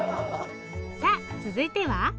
さあ続いては。